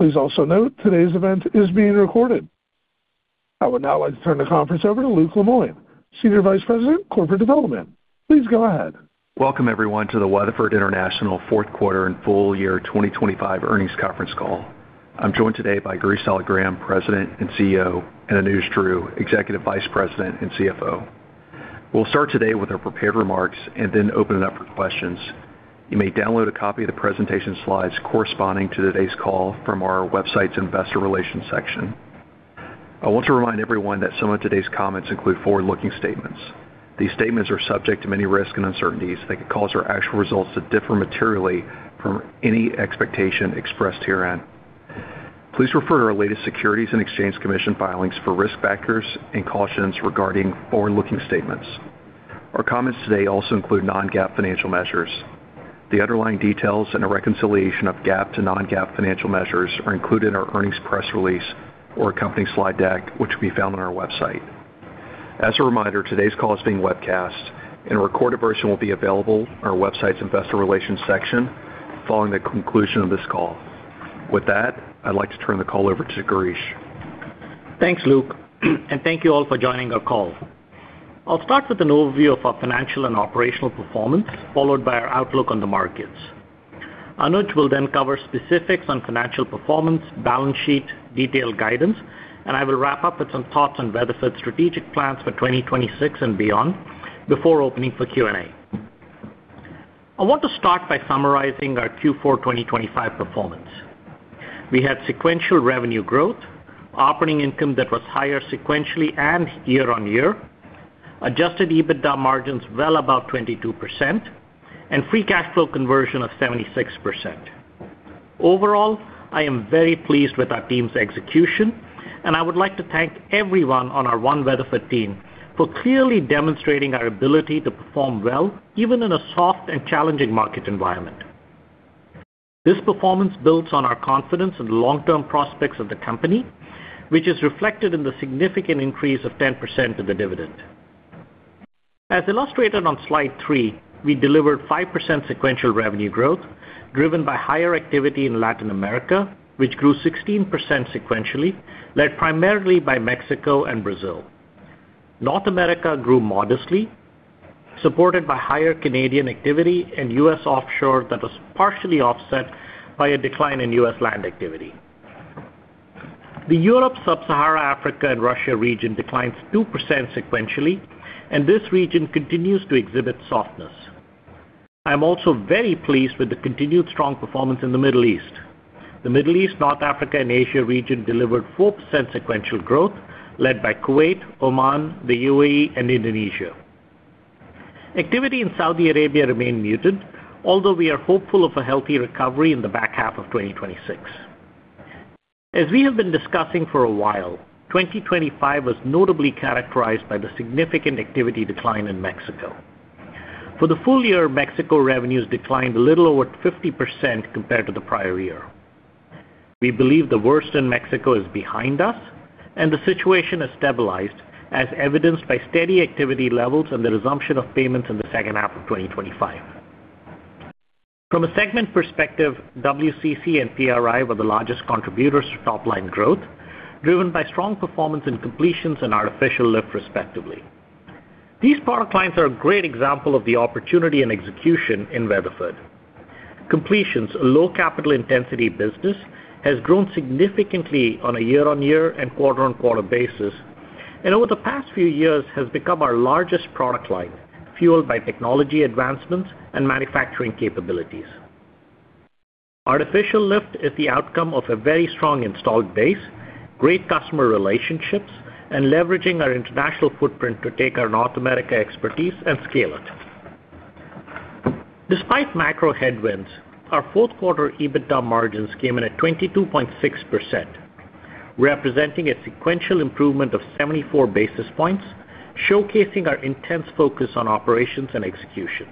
Please also note, today's event is being recorded. I would now like to turn the conference over to Luke Lemoine, Senior Vice President, Corporate Development. Please go ahead. Welcome, everyone, to the Weatherford International fourth quarter and full year 2025 earnings conference call. I'm joined today by Girish Saligram, President and CEO, and Anuj Dhruv, Executive Vice President and CFO. We'll start today with our prepared remarks and then open it up for questions. You may download a copy of the presentation slides corresponding to today's call from our website's Investor Relations section. I want to remind everyone that some of today's comments include forward-looking statements. These statements are subject to many risks and uncertainties that could cause our actual results to differ materially from any expectation expressed herein. Please refer to our latest Securities and Exchange Commission filings for risk factors and cautions regarding forward-looking statements. Our comments today also include non-GAAP financial measures. The underlying details and a reconciliation of GAAP to non-GAAP financial measures are included in our earnings press release or accompanying slide deck, which will be found on our website. As a reminder, today's call is being webcast, and a recorded version will be available on our website's Investor Relations section following the conclusion of this call. With that, I'd like to turn the call over to Girish. Thanks, Luke, and thank you all for joining our call. I'll start with an overview of our financial and operational performance, followed by our outlook on the markets. Anuj will then cover specifics on financial performance, balance sheet, detailed guidance, and I will wrap up with some thoughts on Weatherford's strategic plans for 2026 and beyond before opening for Q&A. I want to start by summarizing our Q4 2025 performance. We had sequential revenue growth, operating income that was higher sequentially and year-on-year, adjusted EBITDA margins well above 22%, and free cash flow conversion of 76%. Overall, I am very pleased with our team's execution, and I would like to thank everyone on our One Weatherford team for clearly demonstrating our ability to perform well, even in a soft and challenging market environment. This performance builds on our confidence in the long-term prospects of the company, which is reflected in the significant increase of 10% of the dividend. As illustrated on Slide 3, we delivered 5% sequential revenue growth, driven by higher activity in Latin America, which grew 16% sequentially, led primarily by Mexico and Brazil. North America grew modestly, supported by higher Canadian activity and US offshore that was partially offset by a decline in US land activity. The Europe, Sub-Saharan Africa and Russia region declines 2% sequentially, and this region continues to exhibit softness. I'm also very pleased with the continued strong performance in the Middle East. The Middle East, North Africa and Asia region delivered 4% sequential growth, led by Kuwait, Oman, the UAE and Indonesia. Activity in Saudi Arabia remained muted, although we are hopeful of a healthy recovery in the back half of 2026. As we have been discussing for a while, 2025 was notably characterized by the significant activity decline in Mexico. For the full year, Mexico revenues declined a little over 50% compared to the prior year. We believe the worst in Mexico is behind us, and the situation has stabilized, as evidenced by steady activity levels and the resumption of payments in the second half of 2025. From a segment perspective, WCC and PRI were the largest contributors to top-line growth, driven by strong performance in completions and artificial lift, respectively. These product lines are a great example of the opportunity and execution in Weatherford. Completions, a low capital intensity business, has grown significantly on a year-on-year and quarter-on-quarter basis, and over the past few years has become our largest product line, fueled by technology advancements and manufacturing capabilities. Artificial Lift is the outcome of a very strong installed base, great customer relationships, and leveraging our international footprint to take our North America expertise and scale it. Despite macro headwinds, our fourth quarter EBITDA margins came in at 22.6%, representing a sequential improvement of 74 basis points, showcasing our intense focus on operations and execution.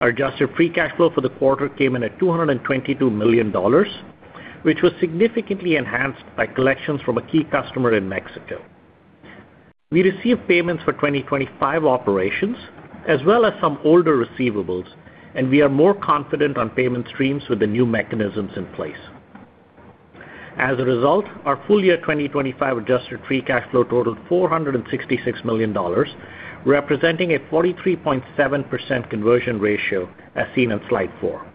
Our adjusted free cash flow for the quarter came in at $222 million, which was significantly enhanced by collections from a key customer in Mexico. We received payments for 2025 operations, as well as some older receivables, and we are more confident on payment streams with the new mechanisms in place. As a result, our full year 2025 adjusted free cash flow totaled $466 million, representing a 43.7% conversion ratio, as seen on Slide 4.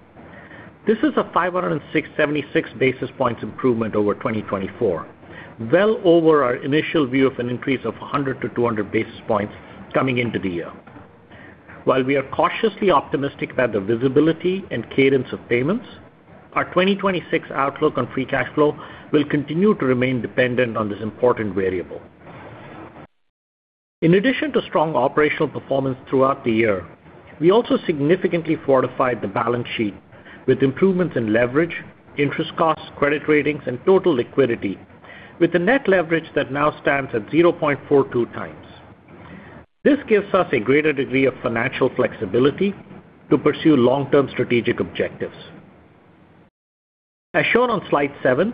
This is a 576 basis points improvement over 2024, well over our initial view of an increase of 100-200 basis points coming into the year. While we are cautiously optimistic about the visibility and cadence of payments, our 2026 outlook on free cash flow will continue to remain dependent on this important variable. In addition to strong operational performance throughout the year, we also significantly fortified the balance sheet with improvements in leverage, interest costs, credit ratings, and total liquidity, with a net leverage that now stands at 0.42 times. This gives us a greater degree of financial flexibility to pursue long-term strategic objectives. As shown on Slide 7,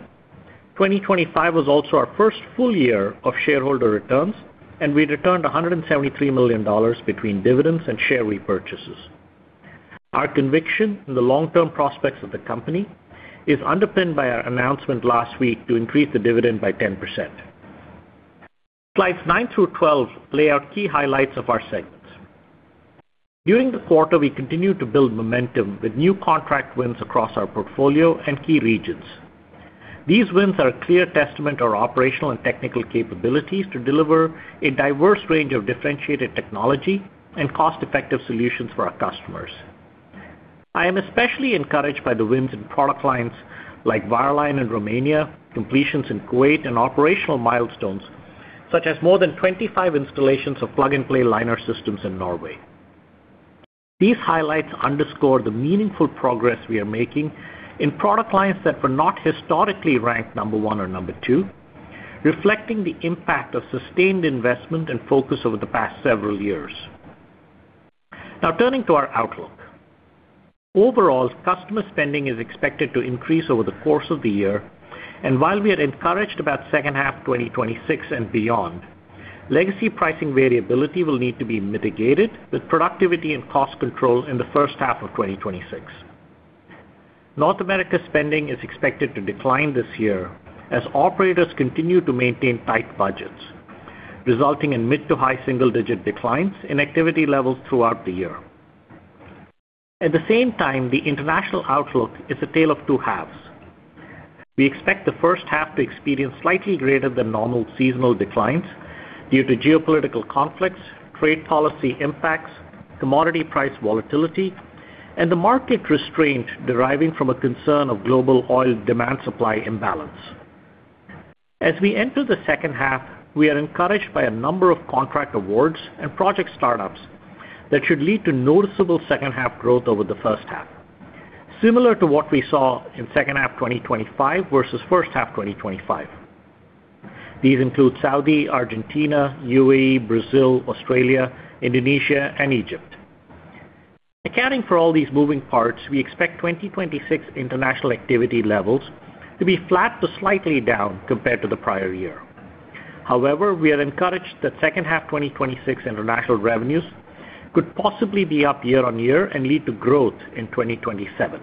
2025 was also our first full year of shareholder returns, and we returned $173 million between dividends and share repurchases. Our conviction in the long-term prospects of the company is underpinned by our announcement last week to increase the dividend by 10%. Slides 9 through 12 lay out key highlights of our segments. During the quarter, we continued to build momentum with new contract wins across our portfolio and key regions. These wins are a clear testament to our operational and technical capabilities to deliver a diverse range of differentiated technology and cost-effective solutions for our customers. I am especially encouraged by the wins in product lines like wireline in Romania, completions in Kuwait, and operational milestones, such as more than 25 installations of plug-and-play liner systems in Norway. These highlights underscore the meaningful progress we are making in product lines that were not historically ranked number 1 or number 2, reflecting the impact of sustained investment and focus over the past several years. Now turning to our outlook. Overall, customer spending is expected to increase over the course of the year, and while we are encouraged about second half 2026 and beyond, legacy pricing variability will need to be mitigated with productivity and cost control in the first half of 2026. North America spending is expected to decline this year as operators continue to maintain tight budgets, resulting in mid- to high single-digit declines in activity levels throughout the year. At the same time, the international outlook is a tale of two halves. We expect the first half to experience slightly greater than normal seasonal declines due to geopolitical conflicts, trade policy impacts, commodity price volatility, and the market restraint deriving from a concern of global oil demand-supply imbalance. As we enter the second half, we are encouraged by a number of contract awards and project startups that should lead to noticeable second half growth over the first half, similar to what we saw in second half 2025 versus first half 2025. These include Saudi Arabia, Argentina, UAE, Brazil, Australia, Indonesia, and Egypt. Accounting for all these moving parts, we expect 2026 international activity levels to be flat to slightly down compared to the prior year. However, we are encouraged that second half 2026 international revenues could possibly be up year on year and lead to growth in 2027.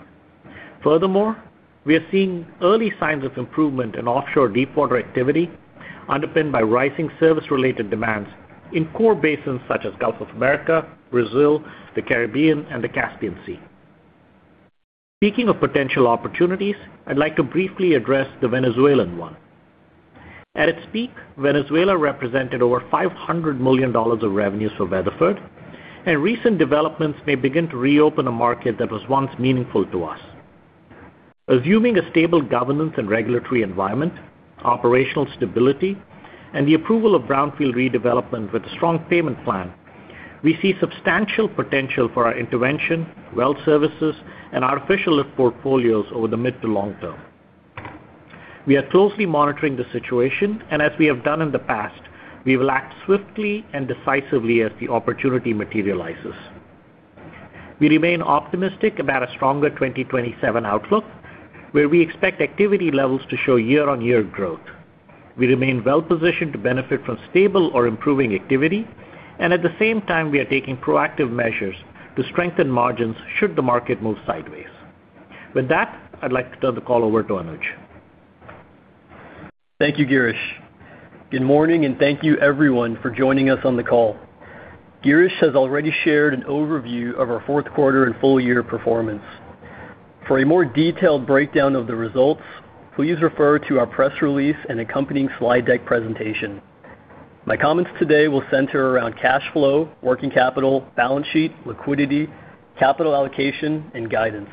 Furthermore, we are seeing early signs of improvement in offshore deepwater activity, underpinned by rising service-related demands in core basins such as Gulf of Americas, Brazil, the Caribbean, and the Caspian Sea. Speaking of potential opportunities, I'd like to briefly address the Venezuelan one. At its peak, Venezuela represented over $500 million of revenues for Weatherford, and recent developments may begin to reopen a market that was once meaningful to us. Assuming a stable governance and regulatory environment, operational stability, and the approval of brownfield redevelopment with a strong payment plan, we see substantial potential for our intervention, well services, and artificial lift portfolios over the mid to long term. We are closely monitoring the situation, and as we have done in the past, we will act swiftly and decisively as the opportunity materializes. We remain optimistic about a stronger 2027 outlook, where we expect activity levels to show year-on-year growth. We remain well positioned to benefit from stable or improving activity, and at the same time, we are taking proactive measures to strengthen margins should the market move sideways. With that, I'd like to turn the call over to Anuj. Thank you, Girish. Good morning, and thank you, everyone, for joining us on the call. Girish has already shared an overview of our fourth quarter and full year performance. For a more detailed breakdown of the results, please refer to our press release and accompanying slide deck presentation. My comments today will center around cash flow, working capital, balance sheet, liquidity, capital allocation, and guidance.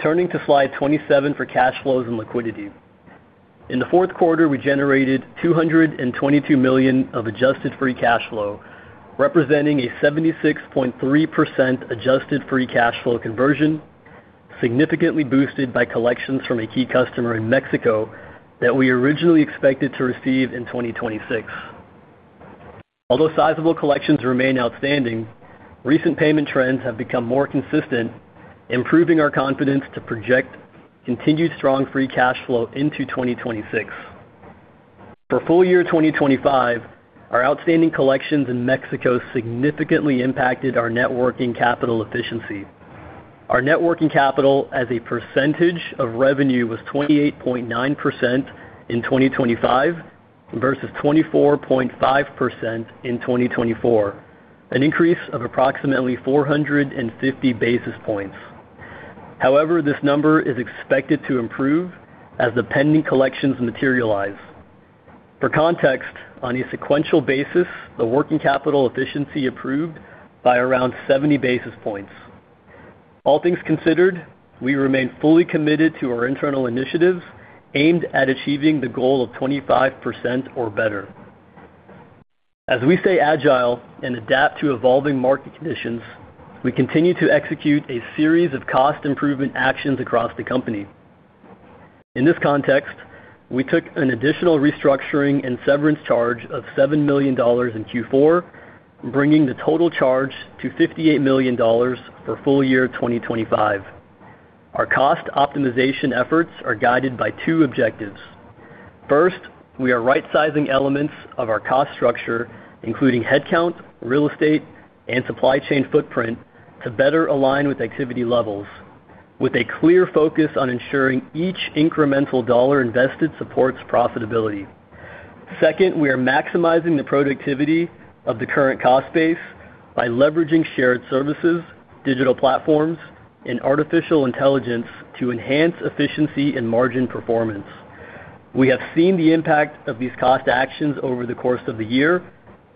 Turning to Slide 27 for cash flows and liquidity. In the fourth quarter, we generated $222 million of adjusted free cash flow, representing a 76.3% adjusted free cash flow conversion, significantly boosted by collections from a key customer in Mexico that we originally expected to receive in 2026. Although sizable collections remain outstanding, recent payment trends have become more consistent, improving our confidence to project continued strong free cash flow into 2026. For full year 2025, our outstanding collections in Mexico significantly impacted our net working capital efficiency. Our net working capital as a percentage of revenue was 28.9% in 2025 versus 24.5% in 2024, an increase of approximately 450 basis points. However, this number is expected to improve as the pending collections materialize. For context, on a sequential basis, the working capital efficiency improved by around 70 basis points. All things considered, we remain fully committed to our internal initiatives aimed at achieving the goal of 25% or better. As we stay agile and adapt to evolving market conditions, we continue to execute a series of cost improvement actions across the company. In this context. We took an additional restructuring and severance charge of $7 million in Q4, bringing the total charge to $58 million for full year 2025. Our cost optimization efforts are guided by two objectives. First, we are right-sizing elements of our cost structure, including headcount, real estate, and supply chain footprint, to better align with activity levels, with a clear focus on ensuring each incremental dollar invested supports profitability. Second, we are maximizing the productivity of the current cost base by leveraging shared services, digital platforms, and artificial intelligence to enhance efficiency and margin performance. We have seen the impact of these cost actions over the course of the year,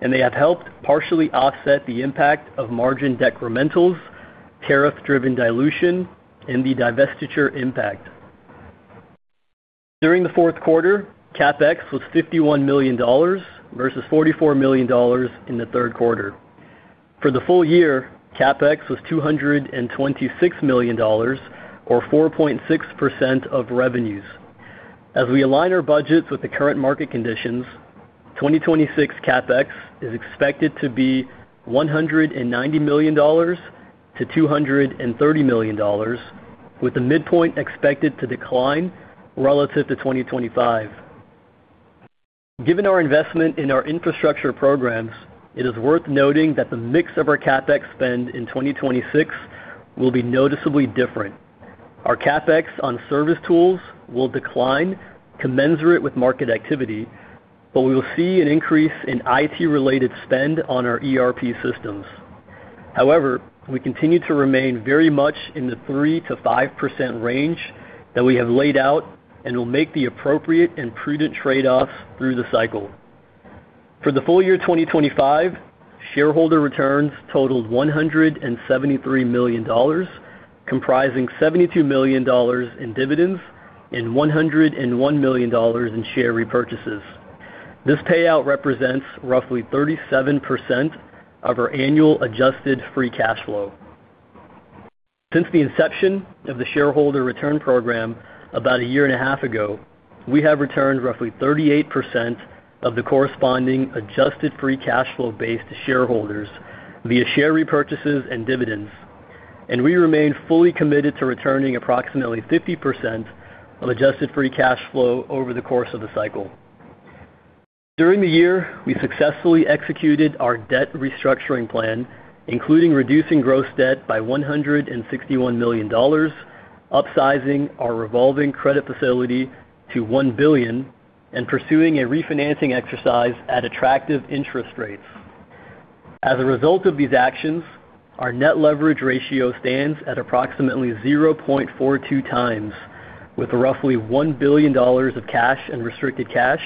and they have helped partially offset the impact of margin decrementals, tariff-driven dilution, and the divestiture impact. During the fourth quarter, CapEx was $51 million, versus $44 million in the third quarter. For the full year, CapEx was $226 million, or 4.6% of revenues. As we align our budgets with the current market conditions, 2026 CapEx is expected to be $190 million-$230 million, with the midpoint expected to decline relative to 2025. Given our investment in our infrastructure programs, it is worth noting that the mix of our CapEx spend in 2026 will be noticeably different. Our CapEx on service tools will decline commensurate with market activity, but we will see an increase in IT-related spend on our ERP systems. However, we continue to remain very much in the 3%-5% range that we have laid out and will make the appropriate and prudent trade-offs through the cycle. For the full year 2025, shareholder returns totaled $173 million, comprising $72 million in dividends and $101 million in share repurchases. This payout represents roughly 37% of our annual adjusted free cash flow. Since the inception of the shareholder return program about a year and a half ago, we have returned roughly 38% of the corresponding adjusted free cash flow base to shareholders via share repurchases and dividends, and we remain fully committed to returning approximately 50% of adjusted free cash flow over the course of the cycle. During the year, we successfully executed our debt restructuring plan, including reducing gross debt by $161 million, upsizing our revolving credit facility to $1 billion, and pursuing a refinancing exercise at attractive interest rates. As a result of these actions, our net leverage ratio stands at approximately 0.42 times, with roughly $1 billion of cash and restricted cash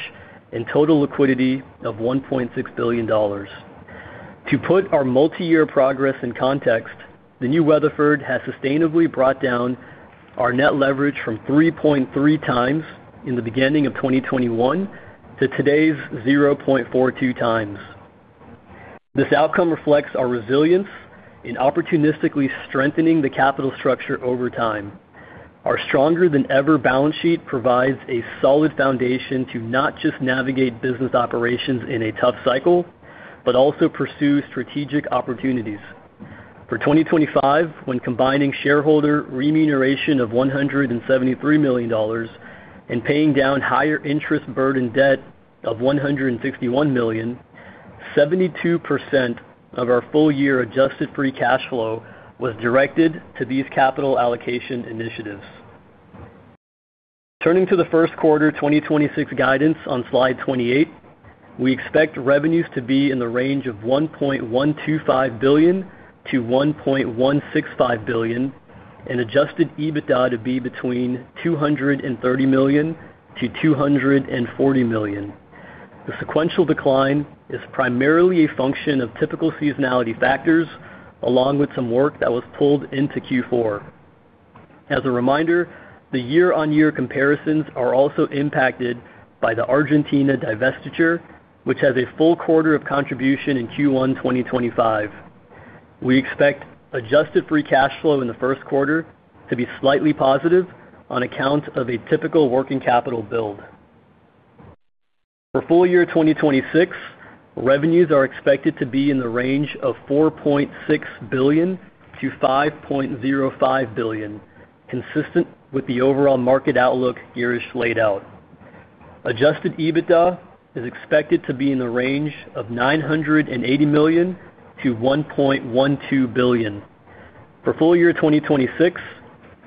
and total liquidity of $1.6 billion. To put our multiyear progress in context, the new Weatherford has sustainably brought down our net leverage from 3.3 times in the beginning of 2021 to today's 0.42 times. This outcome reflects our resilience in opportunistically strengthening the capital structure over time. Our stronger-than-ever balance sheet provides a solid foundation to not just navigate business operations in a tough cycle, but also pursue strategic opportunities. For 2025, when combining shareholder remuneration of $173 million and paying down higher interest burden debt of $161 million, 72% of our full-year adjusted free cash flow was directed to these capital allocation initiatives. Turning to the first quarter 2026 guidance on Slide 28, we expect revenues to be in the range of $1.125 billion-$1.165 billion, and adjusted EBITDA to be between $230 million-$240 million. The sequential decline is primarily a function of typical seasonality factors, along with some work that was pulled into Q4. As a reminder, the year-on-year comparisons are also impacted by the Argentina divestiture, which has a full quarter of contribution in Q1 2025. We expect adjusted free cash flow in the first quarter to be slightly positive on account of a typical working capital build. For full year 2026, revenues are expected to be in the range of $4.6 billion-$5.05 billion, consistent with the overall market outlook Girish laid out. Adjusted EBITDA is expected to be in the range of $980 million-$1.12 billion. For full year 2026,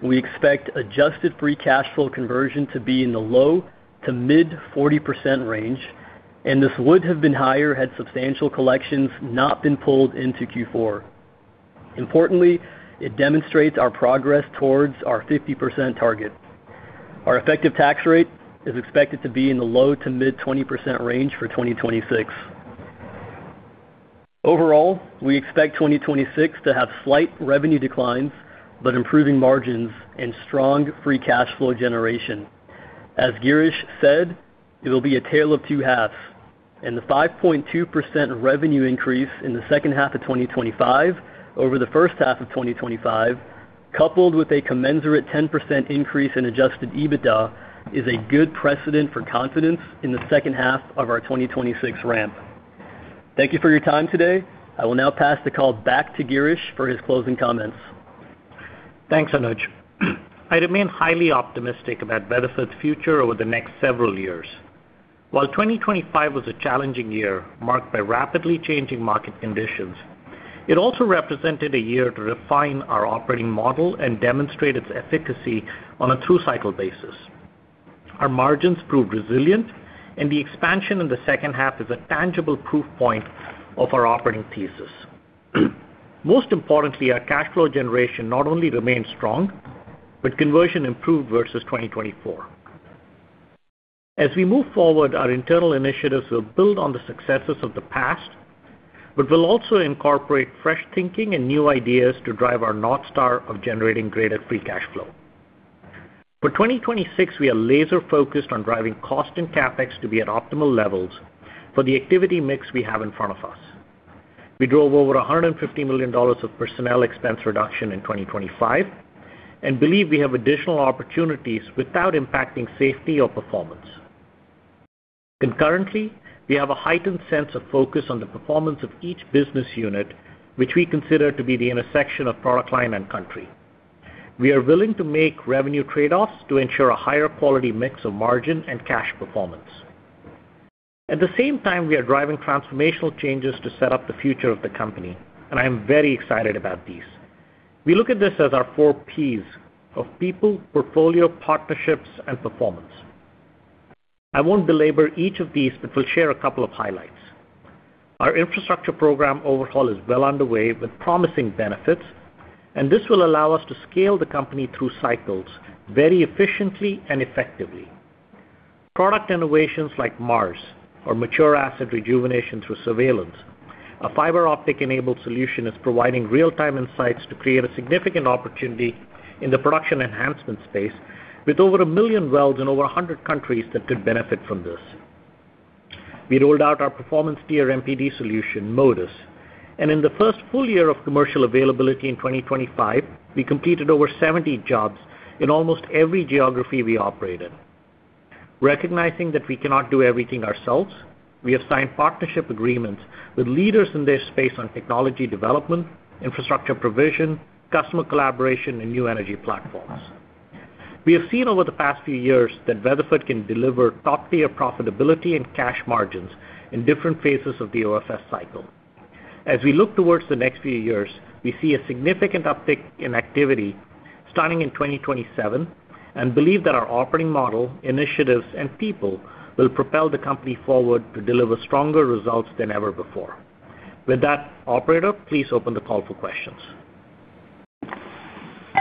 we expect adjusted free cash flow conversion to be in the low-to-mid 40% range, and this would have been higher had substantial collections not been pulled into Q4. Importantly, it demonstrates our progress towards our 50% target. Our effective tax rate is expected to be in the low-to-mid 20% range for 2026. Overall, we expect 2026 to have slight revenue declines, but improving margins and strong free cash flow generation. As Girish said, it'll be a tale of two halves, and the 5.2% revenue increase in the second half of 2025 over the first half of 2025, coupled with a commensurate 10% increase in adjusted EBITDA, is a good precedent for confidence in the second half of our 2026 ramp. Thank you for your time today. I will now pass the call back to Girish for his closing comments. Thanks, Anuj. I remain highly optimistic about Weatherford's future over the next several years. While 2025 was a challenging year, marked by rapidly changing market conditions, it also represented a year to refine our operating model and demonstrate its efficacy on a two-cycle basis. Our margins proved resilient, and the expansion in the second half is a tangible proof point of our operating thesis. Most importantly, our cash flow generation not only remains strong, but conversion improved versus 2024. As we move forward, our internal initiatives will build on the successes of the past, but will also incorporate fresh thinking and new ideas to drive our North Star of generating greater free cash flow. For 2026, we are laser focused on driving cost and CapEx to be at optimal levels for the activity mix we have in front of us. We drove over $150 million of personnel expense reduction in 2025, and believe we have additional opportunities without impacting safety or performance. Concurrently, we have a heightened sense of focus on the performance of each business unit, which we consider to be the intersection of product line and country. We are willing to make revenue trade-offs to ensure a higher quality mix of margin and cash performance. At the same time, we are driving transformational changes to set up the future of the company, and I am very excited about these. We look at this as our four Ps of people, portfolio, partnerships, and performance. I won't belabor each of these, but we'll share a couple of highlights. Our infrastructure program overhaul is well underway with promising benefits, and this will allow us to scale the company through cycles very efficiently and effectively. Product innovations like MARS, or Mature Asset Rejuvenation through Surveillance, a fiber optic-enabled solution, is providing real-time insights to create a significant opportunity in the production enhancement space, with over 1 million wells in over 100 countries that could benefit from this. We rolled out our performance tier MPD solution, Modus, and in the first full year of commercial availability in 2025, we completed over 70 jobs in almost every geography we operated. Recognizing that we cannot do everything ourselves, we have signed partnership agreements with leaders in this space on technology development, infrastructure provision, customer collaboration, and new energy platforms. We have seen over the past few years that Weatherford can deliver top-tier profitability and cash margins in different phases of the OFS cycle. As we look toward the next few years, we see a significant uptick in activity starting in 2027, and believe that our operating model, initiatives, and people will propel the company forward to deliver stronger results than ever before. With that, operator, please open the call for questions.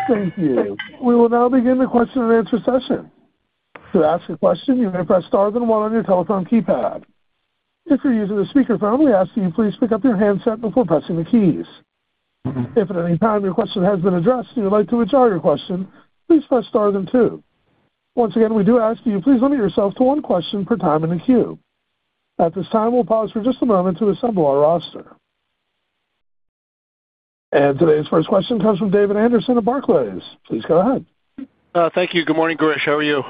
Thank you. We will now begin the question and answer session. To ask a question, you may press star then one on your telephone keypad. If you're using a speakerphone, we ask that you please pick up your handset before pressing the keys. If at any time your question has been addressed, and you'd like to withdraw your question, please press star then two. Once again, we do ask you, please limit yourself to one question per time in the queue. At this time, we'll pause for just a moment to assemble our roster. And today's first question comes from David Anderson of Barclays. Please go ahead. Thank you. Good morning, Girish. How are you?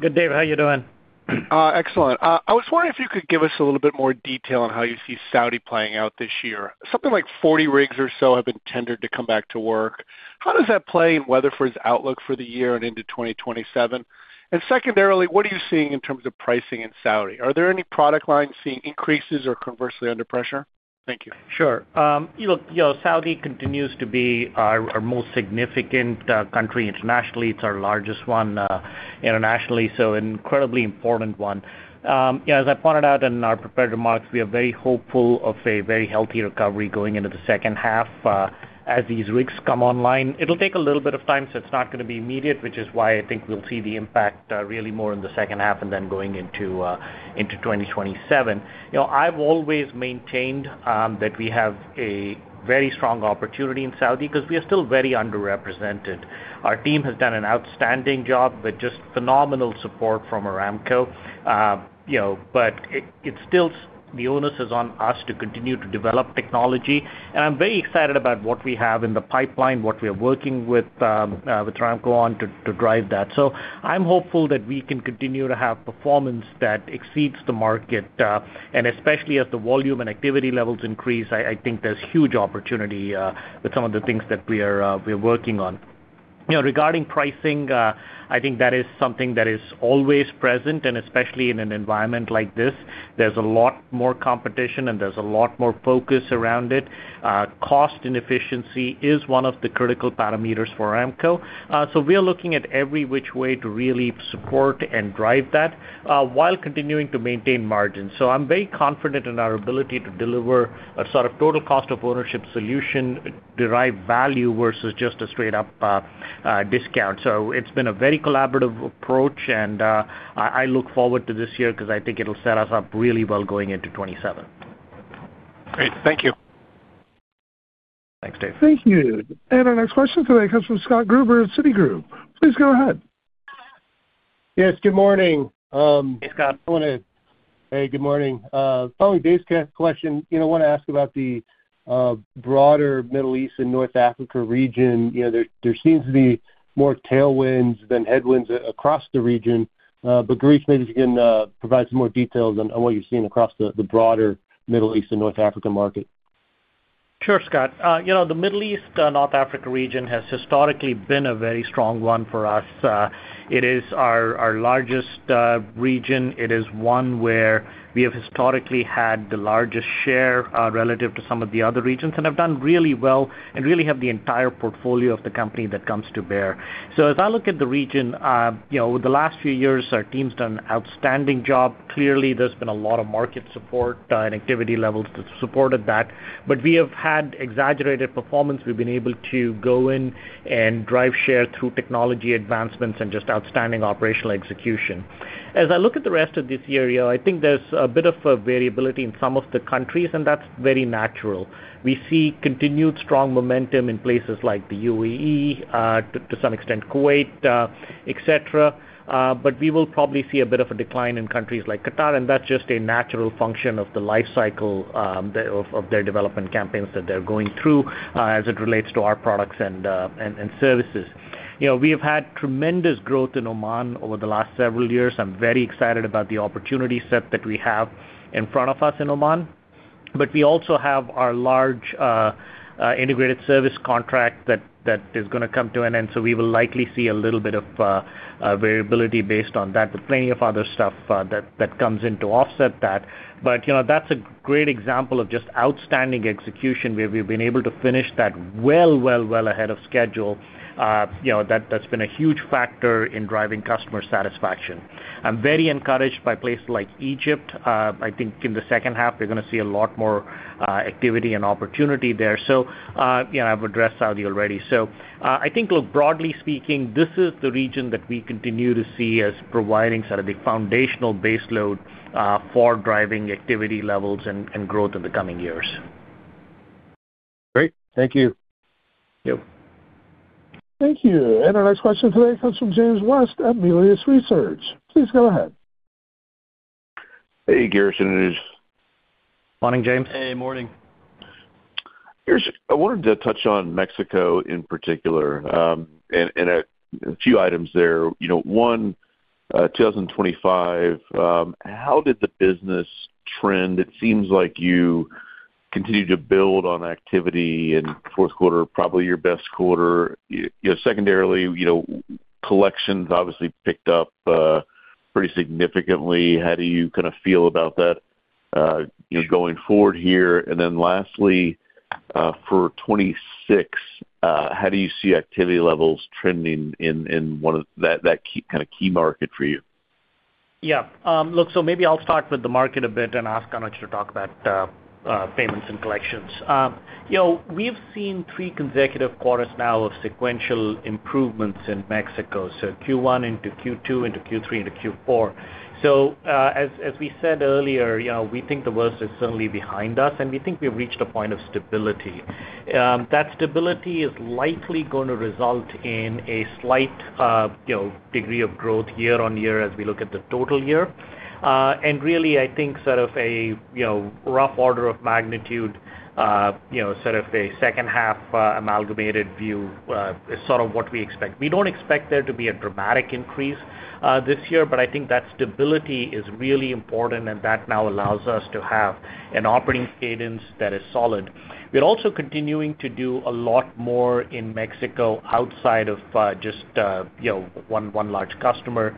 Good, Dave. How are you doing? Excellent. I was wondering if you could give us a little bit more detail on how you see Saudi playing out this year. Something like 40 rigs or so have been tendered to come back to work. How does that play in Weatherford's outlook for the year and into 2027? And secondarily, what are you seeing in terms of pricing in Saudi? Are there any product lines seeing increases or conversely, under pressure? Thank you. Sure. You look, you know, Saudi continues to be our most significant country internationally. It's our largest one, internationally, so an incredibly important one. As I pointed out in our prepared remarks, we are very hopeful of a very healthy recovery going into the second half as these rigs come online. It'll take a little bit of time, so it's not gonna be immediate, which is why I think we'll see the impact really more in the second half and then going into 2027. You know, I've always maintained that we have a very strong opportunity in Saudi because we are still very underrepresented. Our team has done an outstanding job with just phenomenal support from Aramco. You know, but it's still the onus is on us to continue to develop technology, and I'm very excited about what we have in the pipeline, what we are working with with Aramco on to drive that. So I'm hopeful that we can continue to have performance that exceeds the market. And especially as the volume and activity levels increase, I think there's huge opportunity with some of the things that we are working on. You know, regarding pricing, I think that is something that is always present, and especially in an environment like this, there's a lot more competition, and there's a lot more focus around it. Cost and efficiency is one of the critical parameters for Aramco. We are looking at every which way to really support and drive that, while continuing to maintain margins. I'm very confident in our ability to deliver a sort of total cost of ownership solution, derive value versus just a straight-up discount. It's been a very collaborative approach, and I look forward to this year because I think it'll set us up really well going into 2027. Great. Thank you. Thank you. And our next question today comes from Scott Gruber at Citigroup. Please go ahead. Yes, good morning. Hey, Scott. Hey, good morning. Following Dave's question, you know, I want to ask about the broader Middle East and North Africa region. You know, there seems to be more tailwinds than headwinds across the region. But Girish, if you can provide some more details on what you're seeing across the broader Middle East and North Africa market. Sure, Scott. You know, the Middle East, North Africa region has historically been a very strong one for us. It is our, our largest region. It is one where we have historically had the largest share, relative to some of the other regions and have done really well and really have the entire portfolio of the company that comes to bear. So as I look at the region, you know, over the last few years, our team's done an outstanding job. Clearly, there's been a lot of market support, and activity levels that supported that. But we have had exaggerated performance. We've been able to go in and drive share through technology advancements and just outstanding operational execution. As I look at the rest of this area, I think there's a bit of a variability in some of the countries, and that's very natural. We see continued strong momentum in places like the UAE, to some extent, Kuwait, et cetera. But we will probably see a bit of a decline in countries like Qatar, and that's just a natural function of the life cycle of their development campaigns that they're going through, as it relates to our products and services. You know, we have had tremendous growth in Oman over the last several years. I'm very excited about the opportunity set that we have in front of us in Oman. But we also have our large integrated service contract that is gonna come to an end, so we will likely see a little bit of variability based on that, but plenty of other stuff that comes in to offset that. But, you know, that's a great example of just outstanding execution, where we've been able to finish that well ahead of schedule. You know, that's been a huge factor in driving customer satisfaction. I'm very encouraged by places like Egypt. I think in the second half, we're gonna see a lot more activity and opportunity there. So, you know, I've addressed Saudi already. I think, look, broadly speaking, this is the region that we continue to see as providing sort of the foundational baseload for driving activity levels and growth in the coming years. Great. Thank you. Yep. Thank you. And our next question today comes from James West at Melius Research. Please go ahead. Hey, Girish, it is. Morning, James. Hey, morning. I wanted to touch on Mexico in particular, and a few items there. You know, one, 2025, how did the business trend? It seems like you continued to build on activity in fourth quarter, probably your best quarter. You know, secondarily, you know, collections obviously picked up pretty significantly. How do you kind of feel about that, you know, going forward here? And then lastly, for 2026, how do you see activity levels trending in one of that key market for you? Yeah. Look, so maybe I'll start with the market a bit and ask Anuj to talk about payments and collections. You know, we've seen three consecutive quarters now of sequential improvements in Mexico, so Q1 into Q2 into Q3 into Q4. So, as we said earlier, you know, we think the worst is certainly behind us, and we think we've reached a point of stability. That stability is likely gonna result in a slight, you know, degree of growth year on year as we look at the total year. And really, I think sort of a, you know, rough order of magnitude, you know, sort of a second half amalgamated view is sort of what we expect. We don't expect there to be a dramatic increase, this year, but I think that stability is really important, and that now allows us to have an operating cadence that is solid. We're also continuing to do a lot more in Mexico outside of, just, you know, one, one large customer.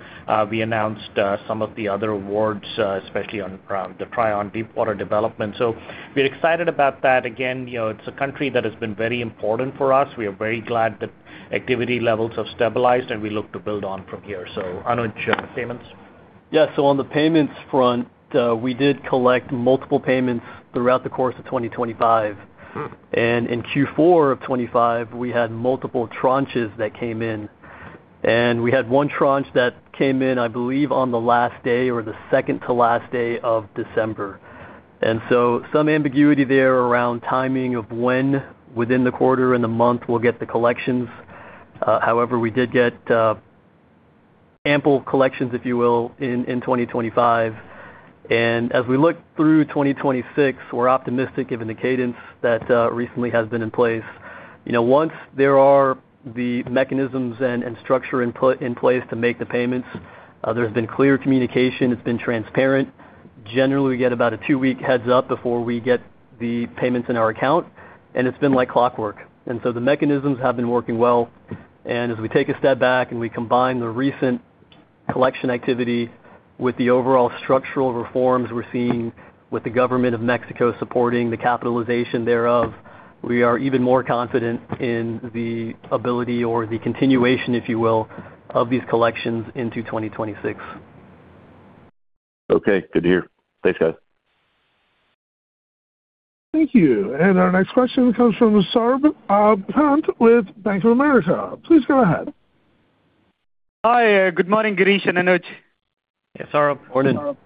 We announced, some of the other awards, especially on, the Trion deepwater development. So we're excited about that. Again, you know, it's a country that has been very important for us. We are very glad that activity levels have stabilized, and we look to build on from here. So Anuj, payments? Yeah, so on the payments front, we did collect multiple payments throughout the course of 2025. And in Q4 of 2025, we had multiple tranches that came in, and we had one tranche that came in, I believe, on the last day or the second to last day of December. And so some ambiguity there around timing of when, within the quarter and the month, we'll get the collections. However, we did get ample collections, if you will, in 2025. And as we look through 2026, we're optimistic, given the cadence that recently has been in place. You know, once there are the mechanisms and structure in place to make the payments, there's been clear communication. It's been transparent. Generally, we get about a two-week heads-up before we get the payments in our account, and it's been like clockwork. So the mechanisms have been working well. As we take a step back and we combine the recent collection activity with the overall structural reforms we're seeing with the government of Mexico supporting the capitalization thereof, we are even more confident in the ability or the continuation, if you will, of these collections into 2026. Okay, good to hear. Thanks, guys. Thank you. Our next question comes from Saurabh Pant with Bank of America. Please go ahead. Hi, Good morning, Girish and Anuj. Yeah, Saurabh. Morning.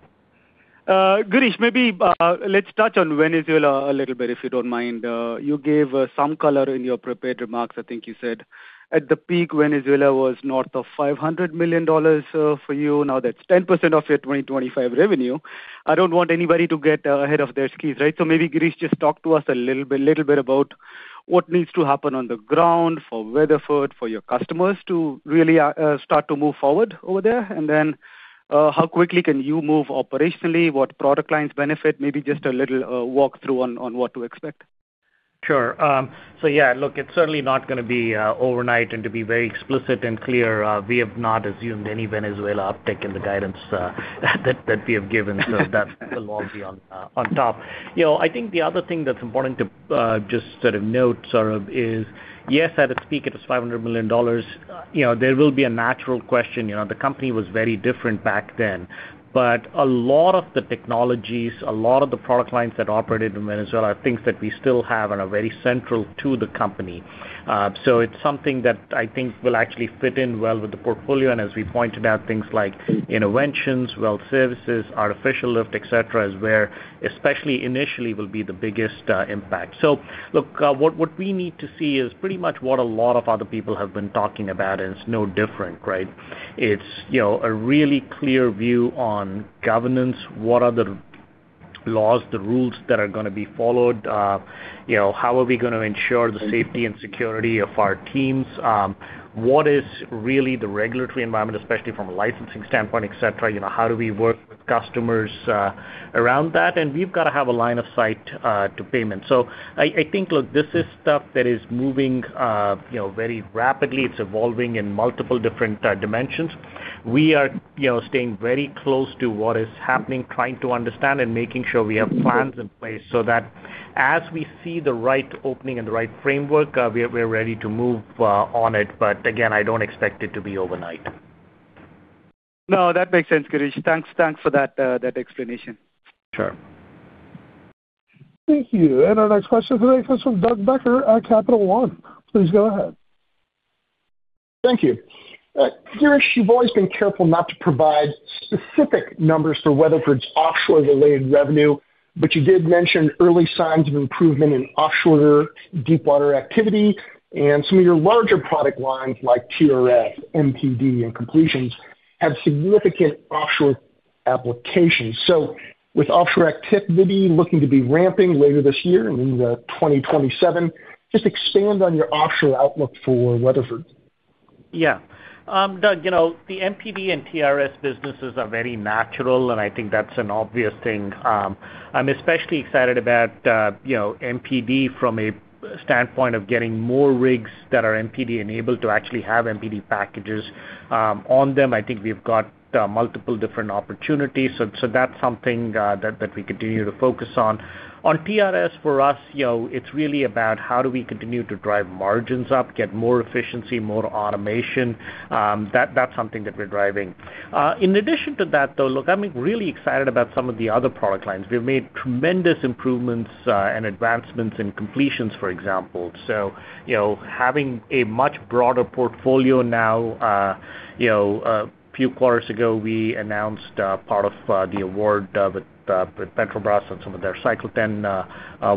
Girish, maybe let's touch on Venezuela a little bit, if you don't mind. You gave some color in your prepared remarks. I think you said at the peak, Venezuela was north of $500 million for you. Now, that's 10% of your 2025 revenue. I don't want anybody to get ahead of their skis, right? So maybe, Girish, just talk to us a little bit, little bit about what needs to happen on the ground for Weatherford, for your customers to really start to move forward over there. And then, how quickly can you move operationally? What product lines benefit? Maybe just a little walk-through on what to expect. Sure. So yeah, look, it's certainly not gonna be overnight, and to be very explicit and clear, we have not assumed any Venezuela uptick in the guidance that we have given. So that will all be on top. You know, I think the other thing that's important to just sort of note, Saurabh, is, yes, at its peak, it was $500 million. You know, there will be a natural question. You know, the company was very different back then. But a lot of the technologies, a lot of the product lines that operated in Venezuela, are things that we still have and are very central to the company. So it's something that I think will actually fit in well with the portfolio, and as we pointed out, things like interventions, well services, artificial lift, et cetera, is where, especially initially, will be the biggest impact. So look, what we need to see is pretty much what a lot of other people have been talking about, and it's no different, right? It's, you know, a really clear view on governance. What are the laws, the rules that are gonna be followed? You know, how are we gonna ensure the safety and security of our teams? What is really the regulatory environment, especially from a licensing standpoint, et cetera? You know, how do we work with customers around that? And we've gotta have a line of sight to payment. So I think, look, this is stuff that is moving, you know, very rapidly. It's evolving in multiple different dimensions. We are, you know, staying very close to what is happening, trying to understand and making sure we have plans in place so that as we see the right opening and the right framework, we're ready to move on it. But again, I don't expect it to be overnight. No, that makes sense, Girish. Thanks, thanks for that, that explanation. Sure. Thank you, and our next question today comes from Doug Becker at Capital One. Please go ahead. Thank you. Girish, you've always been careful not to provide specific numbers for Weatherford's offshore-related revenue, but you did mention early signs of improvement in offshore deepwater activity, and some of your larger product lines, like TRS, MPD, and completions, have significant offshore applications. So with offshore activity looking to be ramping later this year and into 2027, just expand on your offshore outlook for Weatherford. Yeah. Doug, you know, the MPD and TRS businesses are very natural, and I think that's an obvious thing. I'm especially excited about, you know, MPD from a standpoint of getting more rigs that are MPD-enabled to actually have MPD packages on them. I think we've got multiple different opportunities, so that's something that we continue to focus on. On TRS for us, you know, it's really about how do we continue to drive margins up, get more efficiency, more automation? That's something that we're driving. In addition to that, though, look, I'm really excited about some of the other product lines. We've made tremendous improvements and advancements in completions, for example. So, you know, having a much broader portfolio now, you know, a few quarters ago, we announced part of the award with Petrobras on some of their Cycle Ten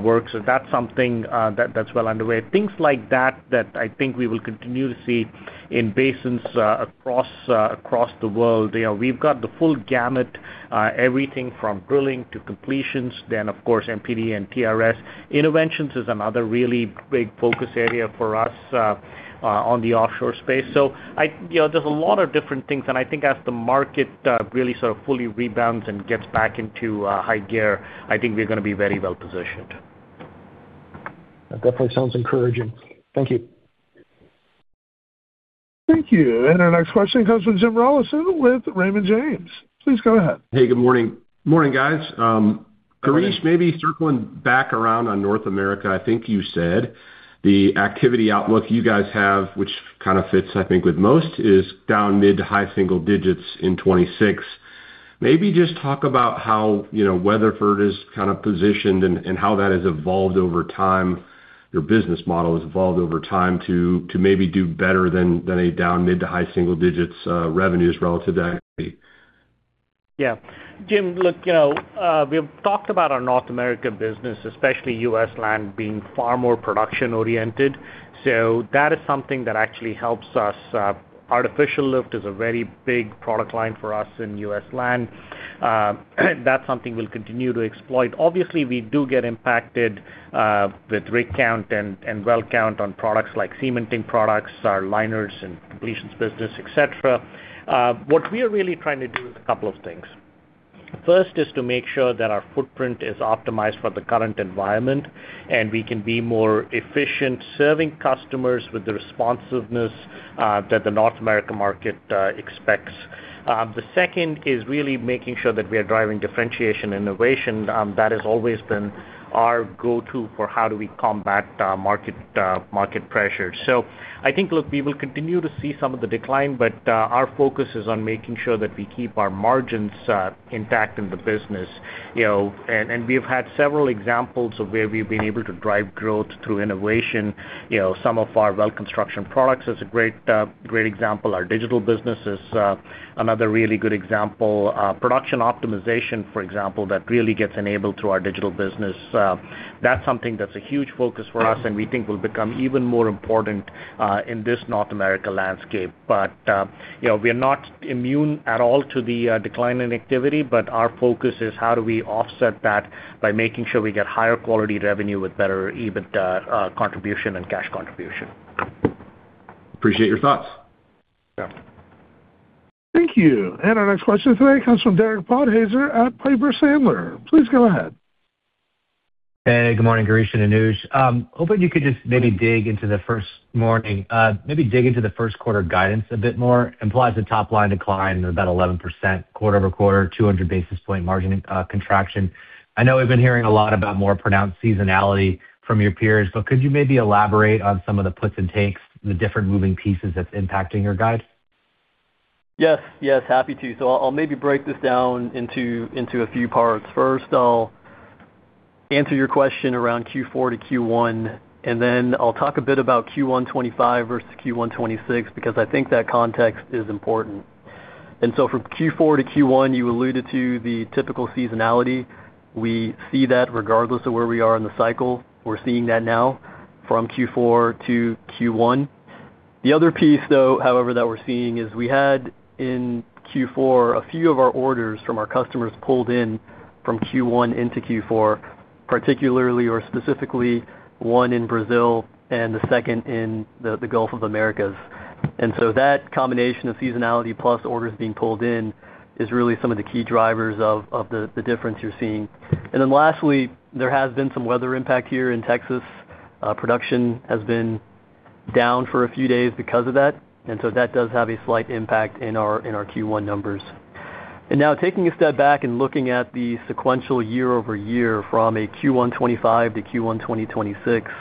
work. So that's something that that's well underway. Things like that that I think we will continue to see in basins across the world. You know, we've got the full gamut, everything from drilling to completions, then, of course, MPD and TRS. Interventions is another really big focus area for us on the offshore space. So, you know, there's a lot of different things, and I think as the market really sort of fully rebounds and gets back into high gear, I think we're gonna be very well positioned. That definitely sounds encouraging. Thank you. Thank you, and our next question comes from Jim Rollyson with Raymond James. Please go ahead. Hey, good morning. Morning, guys. Girish, maybe circling back around on North America, I think you said the activity outlook you guys have, which kind of fits, I think, with most, is down mid- to high-single digits in 2026. Maybe just talk about how, you know, Weatherford is kind of positioned and how that has evolved over time, your business model has evolved over time, to maybe do better than a down mid- to high-single digits, revenues relative to activity. Yeah. Jim, look, you know, we've talked about our North America business, especially U.S. land, being far more production-oriented, so that is something that actually helps us. Artificial lift is a very big product line for us in U.S. land. That's something we'll continue to exploit. Obviously, we do get impacted with rig count and well count on products like cementing products, our liners and completions business, et cetera. What we are really trying to do is a couple of things. First is to make sure that our footprint is optimized for the current environment, and we can be more efficient, serving customers with the responsiveness that the North America market expects. The second is really making sure that we are driving differentiation, innovation. That has always been our go-to for how do we combat market pressures. So I think, look, we will continue to see some of the decline, but, our focus is on making sure that we keep our margins, intact in the business. You know, and, and we've had several examples of where we've been able to drive growth through innovation. You know, some of our well construction products is a great, great example. Our digital business is, another really good example. Production optimization, for example, that really gets enabled through our digital business, that's something that's a huge focus for us, and we think will become even more important, in this North America landscape. But, you know, we're not immune at all to the, decline in activity, but our focus is how do we offset that by making sure we get higher quality revenue with better EBIT, contribution and cash contribution. Appreciate your thoughts. Yeah. Thank you. Our next question today comes from Derek Podhaizer at Piper Sandler. Please go ahead. Hey, good morning, Girish and Anuj. Hoping you could just maybe dig into the first quarter guidance a bit more. Implies a top line decline of about 11%, quarter-over-quarter, 200 basis point margin contraction. I know we've been hearing a lot about more pronounced seasonality from your peers, but could you maybe elaborate on some of the puts and takes, the different moving pieces that's impacting your guide? Yes. Yes, happy to. So I'll, I'll maybe break this down into, into a few parts. First, I'll answer your question around Q4 to Q1, and then I'll talk a bit about Q1 2025 versus Q1 2026, because I think that context is important. And so from Q4 to Q1, you alluded to the typical seasonality. We see that regardless of where we are in the cycle. We're seeing that now from Q4 to Q1. The other piece, though, however, that we're seeing, is we had in Q4, a few of our orders from our customers pulled in from Q1 into Q4, particularly or specifically one in Brazil and the second in the, the Gulf of Americas. And so that combination of seasonality plus orders being pulled in is really some of the key drivers of, of the, the difference you're seeing. And then lastly, there has been some weather impact here in Texas. Production has been down for a few days because of that, and so that does have a slight impact in our Q1 numbers. And now, taking a step back and looking at the sequential year-over-year from a Q1 2025 to Q1 2026.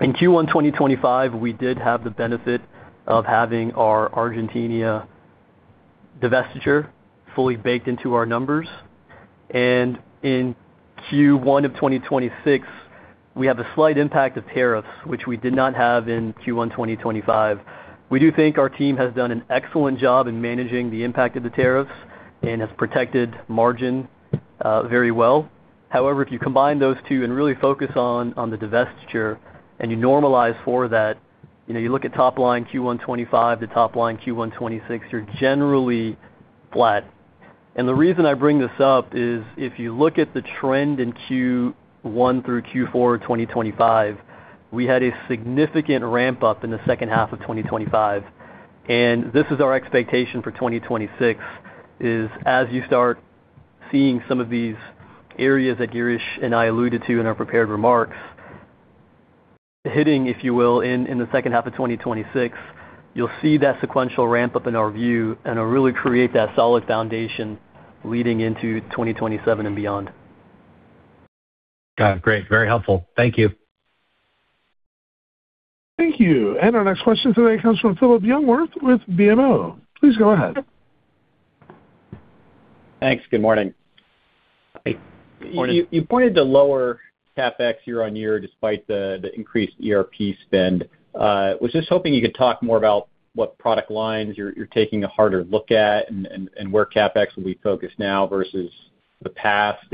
In Q1 2025, we did have the benefit of having our Argentina divestiture fully baked into our numbers, and in Q1 of 2026, we have a slight impact of tariffs, which we did not have in Q1 2025. We do think our team has done an excellent job in managing the impact of the tariffs and has protected margin very well. However, if you combine those two and really focus on, on the divestiture, and you normalize for that, you know, you look at top line Q1 2025 to top line Q1 2026, you're generally flat. And the reason I bring this up is, if you look at the trend in Q1 through Q4 of 2025, we had a significant ramp-up in the second half of 2025. And this is our expectation for 2026, is as you start seeing some of these areas that Girish and I alluded to in our prepared remarks, hitting, if you will, in, in the second half of 2026, you'll see that sequential ramp-up in our view and really create that solid foundation leading into 2027 and beyond. Got it. Great. Very helpful. Thank you. Thank you. Our next question today comes from Phillip Jungwirth with BMO. Please go ahead. Thanks. Good morning. Hi. Morning. You pointed to lower CapEx year-over-year, despite the increased ERP spend. Was just hoping you could talk more about what product lines you're taking a harder look at and where CapEx will be focused now versus the past.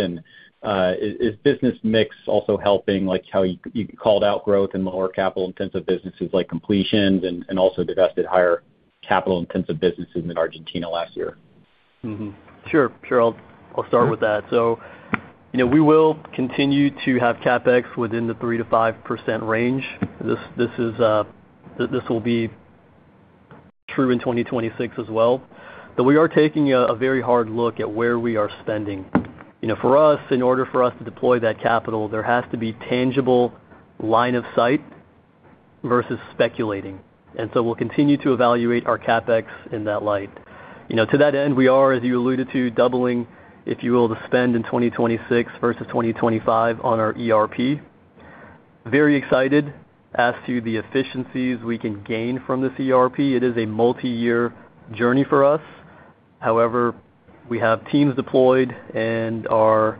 Is business mix also helping, like, how you called out growth in lower capital-intensive businesses like completions and also divested higher capital-intensive businesses in Argentina last year? Mm-hmm. Sure. Sure, I'll, I'll start with that. So, you know, we will continue to have CapEx within the 3%-5% range. This, this is, this will be true in 2026 as well. But we are taking a very hard look at where we are spending. You know, for us, in order for us to deploy that capital, there has to be tangible line of sight versus speculating, and so we'll continue to evaluate our CapEx in that light. You know, to that end, we are, as you alluded to, doubling, if you will, the spend in 2026 versus 2025 on our ERP. Very excited as to the efficiencies we can gain from this ERP. It is a multiyear journey for us. However, we have teams deployed and are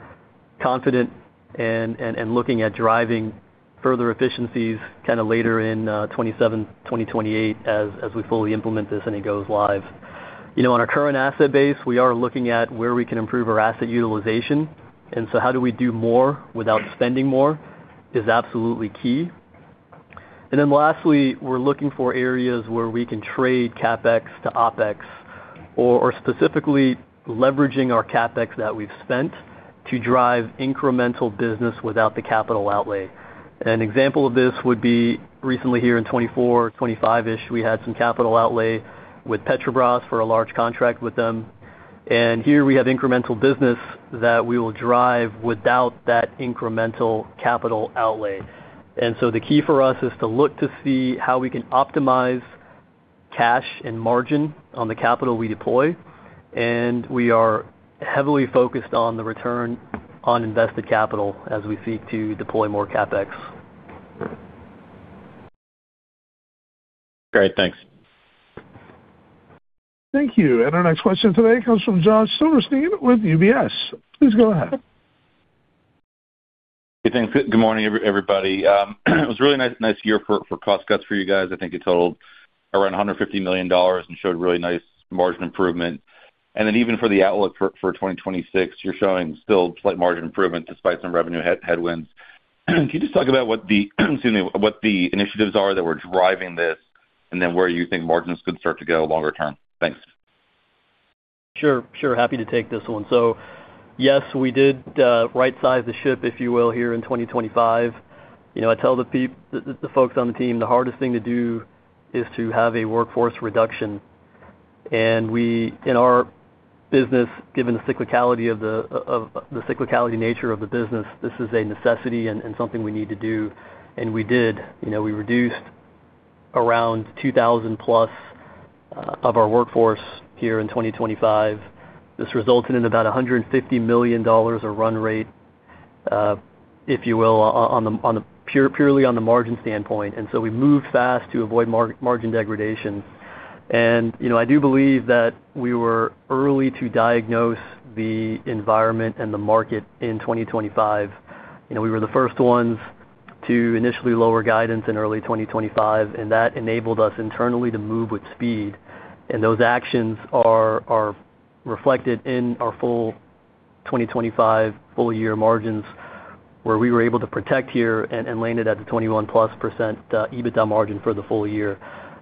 confident and looking at driving further efficiencies kinda later in 2027, 2028, as we fully implement this and it goes live. You know, on our current asset base, we are looking at where we can improve our asset utilization, and so how do we do more without spending more is absolutely key. And then lastly, we're looking for areas where we can trade CapEx to OpEx, or specifically leveraging our CapEx that we've spent to drive incremental business without the capital outlay. An example of this would be recently here in 2024, 2025-ish, we had some capital outlay with Petrobras for a large contract with them, and here we have incremental business that we will drive without that incremental capital outlay. And so the key for us is to look to see how we can optimize cash and margin on the capital we deploy, and we are heavily focused on the return on invested capital as we seek to deploy more CapEx. Great. Thanks. Thank you. Our next question today comes from Josh Silverstein with UBS. Please go ahead. Hey, thanks. Good morning, everybody. It was a really nice, nice year for cost cuts for you guys. I think it totaled around $150 million and showed really nice margin improvement. Then even for the outlook for 2026, you're showing still slight margin improvement despite some revenue headwinds. Can you just talk about what the initiatives are that were driving this, and then where you think margins could start to go longer term? Thanks. Sure, sure. Happy to take this one. So yes, we did rightsize the ship, if you will, here in 2025. You know, I tell the folks on the team, the hardest thing to do is to have a workforce reduction. And we, in our business, given the cyclicality of the cyclicality nature of the business, this is a necessity and something we need to do, and we did. You know, we reduced around 2,000 plus of our workforce here in 2025. This resulted in about $150 million of run rate, if you will, on the purely on the margin standpoint. And so we moved fast to avoid margin degradation. You know, I do believe that we were early to diagnose the environment and the market in 2025. You know, we were the first ones to initially lower guidance in early 2025, and that enabled us internally to move with speed, and those actions are reflected in our full 2025 full year margins, where we were able to protect here and landed at the 21%+ EBITDA margin for the full year.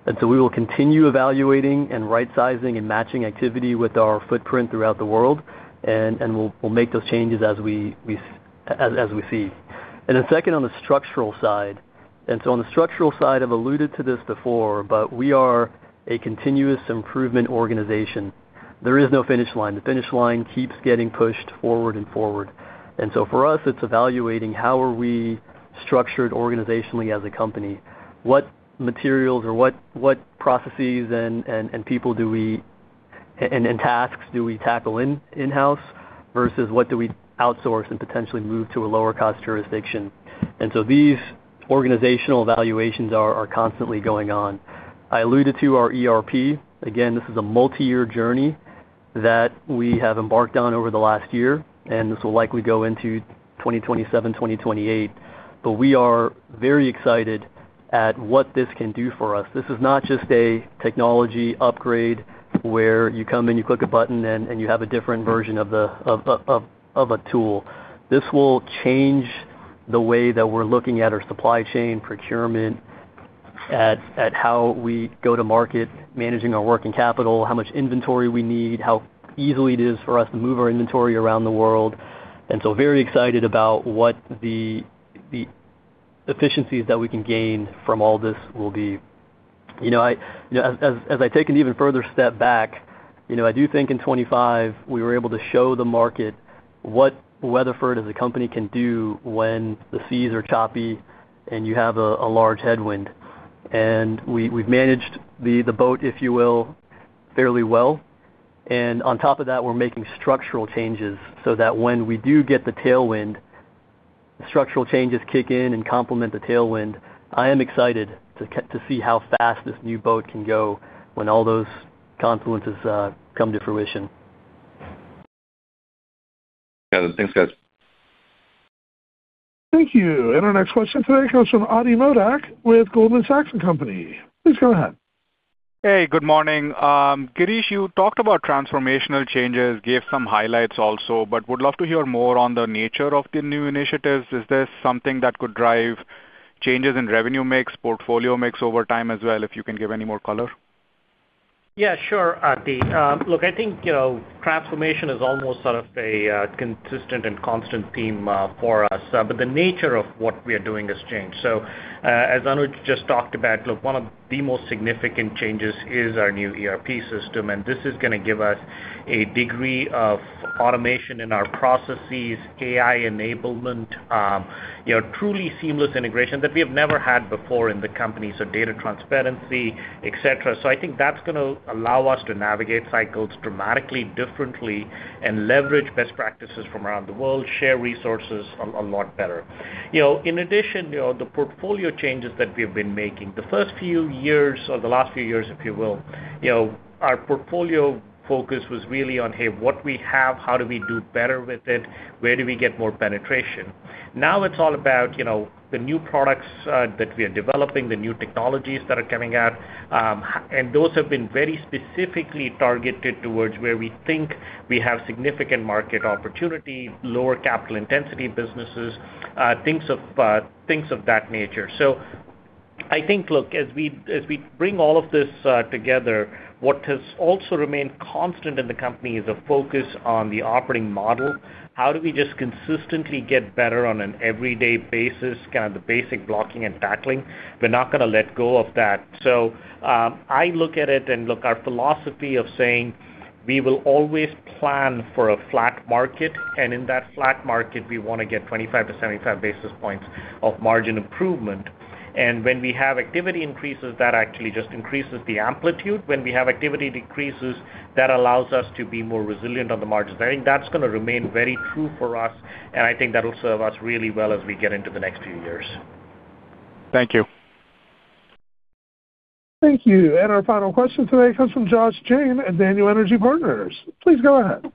And so we will continue evaluating and rightsizing and matching activity with our footprint throughout the world, and we'll make those changes as we see. And then second, on the structural side, and so on the structural side, I've alluded to this before, but we are a continuous improvement organization. There is no finish line. The finish line keeps getting pushed forward and forward. And so for us, it's evaluating how are we structured organizationally as a company? What materials or what processes and people do we and tasks do we tackle in-house versus what do we outsource and potentially move to a lower cost jurisdiction? And so these organizational evaluations are constantly going on. I alluded to our ERP. Again, this is a multi-year journey that we have embarked on over the last year, and this will likely go into 2027, 2028. But we are very excited at what this can do for us. This is not just a technology upgrade where you come in, you click a button, and you have a different version of the of a tool. This will change the way that we're looking at our supply chain procurement, at how we go to market, managing our working capital, how much inventory we need, how easily it is for us to move our inventory around the world. And so very excited about what the efficiencies that we can gain from all this will be. You know, as I take an even further step back, you know, I do think in 2025, we were able to show the market what Weatherford as a company can do when the seas are choppy and you have a large headwind. And we've managed the boat, if you will, fairly well, and on top of that, we're making structural changes so that when we do get the tailwind, the structural changes kick in and complement the tailwind. I am excited to see how fast this new boat can go when all those confluences come to fruition. Got it. Thanks, guys. Thank you. Our next question today comes from Ati Modak with Goldman Sachs. Please go ahead. Hey, good morning. Girish, you talked about transformational changes, gave some highlights also, but would love to hear more on the nature of the new initiatives. Is this something that could drive changes in revenue mix, portfolio mix over time as well? If you can give any more color. Yeah, sure, Ati. Look, I think, you know, transformation is almost sort of a consistent and constant theme for us, but the nature of what we are doing has changed. So, as Anuj just talked about, look, one of the most significant changes is our new ERP system, and this is gonna give us a degree of automation in our processes, AI enablement, you know, truly seamless integration that we have never had before in the company, so data transparency, et cetera. So I think that's gonna allow us to navigate cycles dramatically differently and leverage best practices from around the world, share resources a lot better. You know, in addition, you know, the portfolio changes that we've been making, the first few years or the last few years, if you will, you know, our portfolio focus was really on, hey, what we have, how do we do better with it? Where do we get more penetration? Now it's all about, you know, the new products that we are developing, the new technologies that are coming out, and those have been very specifically targeted towards where we think we have significant market opportunity, lower capital intensity businesses, things of, things of that nature. So I think, look, as we, as we bring all of this together, what has also remained constant in the company is a focus on the operating model. How do we just consistently get better on an everyday basis, kind of the basic blocking and tackling? We're not gonna let go of that. So, I look at it, and look, our philosophy of saying we will always plan for a flat market, and in that flat market, we wanna get 25-75 basis points of margin improvement. And when we have activity increases, that actually just increases the amplitude. When we have activity decreases, that allows us to be more resilient on the margins. I think that's gonna remain very true for us, and I think that'll serve us really well as we get into the next few years. Thank you. Thank you. And our final question today comes from Josh Jayne at Daniel Energy Partners. Please go ahead.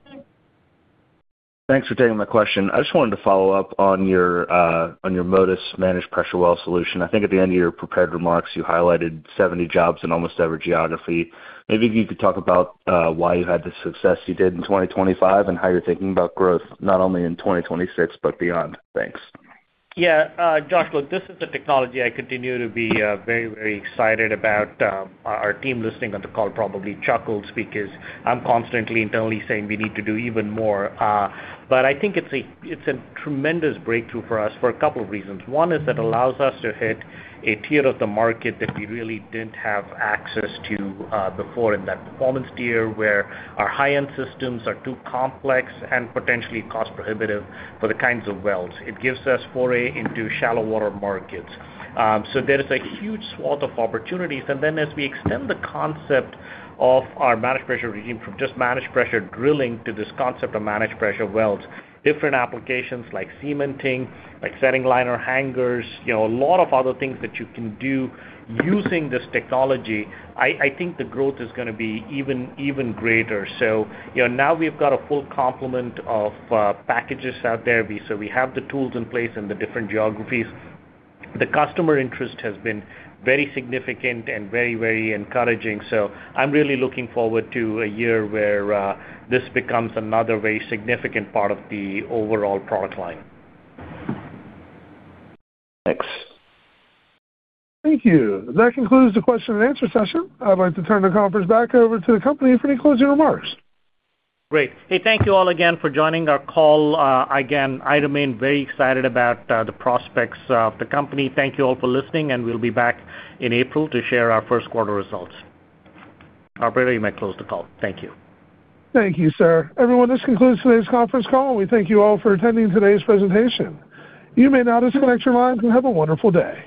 Thanks for taking my question. I just wanted to follow up on your, on your Modus Managed Pressure Well Solution. I think at the end of your prepared remarks, you highlighted 70 jobs in almost every geography. Maybe if you could talk about, why you had the success you did in 2025 and how you're thinking about growth, not only in 2026, but beyond. Thanks. Yeah, Josh, look, this is the technology I continue to be very, very excited about. Our team listening on the call probably chuckled because I'm constantly internally saying we need to do even more. But I think it's a tremendous breakthrough for us for a couple of reasons. One is it allows us to hit a tier of the market that we really didn't have access to before in that performance tier, where our high-end systems are too complex and potentially cost prohibitive for the kinds of wells. It gives us foray into shallow water markets. So there is a huge swath of opportunities. And then as we extend the concept of our managed pressure regime from just managed pressure drilling to this concept of managed pressure wells, different applications like cementing, like setting liner hangers, you know, a lot of other things that you can do using this technology, I think the growth is gonna be even, even greater. So, you know, now we've got a full complement of packages out there. We have the tools in place in the different geographies. The customer interest has been very significant and very, very encouraging. So I'm really looking forward to a year where this becomes another very significant part of the overall product line. Thanks. Thank you. That concludes the question and answer session. I'd like to turn the conference back over to the company for any closing remarks. Great. Hey, thank you all again for joining our call. Again, I remain very excited about the prospects of the company. Thank you all for listening, and we'll be back in April to share our first quarter results. Operator, you may close the call. Thank you. Thank you, sir. Everyone, this concludes today's conference call, and we thank you all for attending today's presentation. You may now disconnect your lines and have a wonderful day.